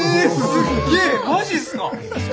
すっげえマジっすか。